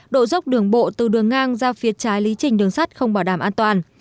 độ dốc đường bộ từ đường ngang ra phía trái lý trình đường sắt không bảo đảm an toàn